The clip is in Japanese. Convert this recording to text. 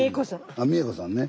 あ三枝子さんね。